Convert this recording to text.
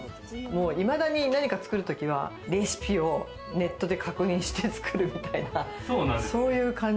いまだに何か作るときはレシピをネットで確認して作るみたいな。